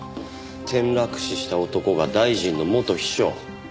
転落死した男が大臣の元秘書。